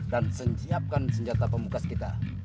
dan siapkan senjata pemukas kita